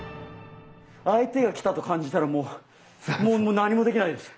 相手が来たと感じたらもうもう何もできないです。